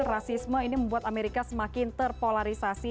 dan agresifisme ini membuat amerika semakin terpolarisasi